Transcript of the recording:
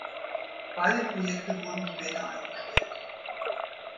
Beide Projekte wurden später eingestellt.